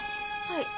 はい。